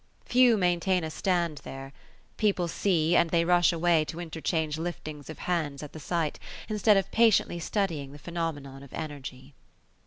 Few maintain a stand there. People see, and they rush away to interchange liftings of hands at the sight, instead of patiently studying the phenomenon of energy.